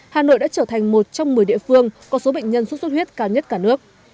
hà nội đã trở thành một trong một mươi địa phương có số bệnh nhân xuất xuất huyết cao nhất cả nước